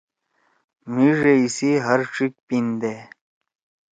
مھی ڙیئی سی ہر ڇیِک پیِندے